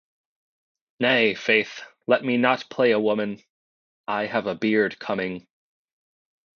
Nay, faith, let me not play a woman; I have a beard coming.